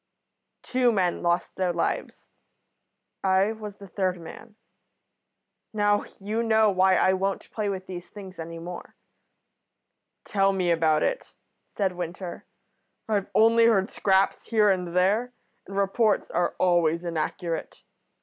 "Two men lost their lives. I was the third man. Now, you know why I won't play with these things any more." "Tell me about it," said Winter. "I've only heard scraps here and there, and reports are always inaccurate.